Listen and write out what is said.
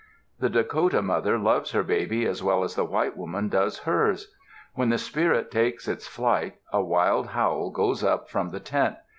The Dakota mother loves her baby as well as the white woman does hers. When the spirit takes its flight a wild howl goes up from the tent.